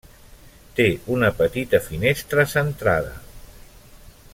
Té una petita finestra centrada.